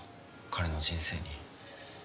彼の人生に。